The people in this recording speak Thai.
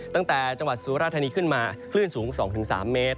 ทั้งจังหวัดสุรธรรมน์ขึ้นมาขึ้นสูง๒๓เมตร